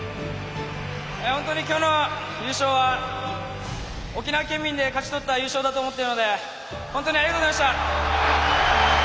本当に今日の優勝は沖縄県民で勝ち取った優勝だと思っているので本当にありがとうございました！